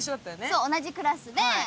そう同じクラスで。